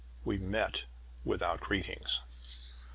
We met without greetings.